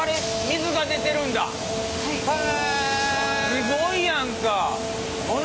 すごいやんか！